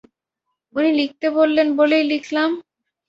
উনি লিখতে বললেন বলেই লিখলাম।